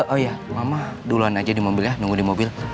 oh iya mama duluan aja di mobil ya nunggu di mobil